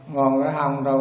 ngon cái hông thôi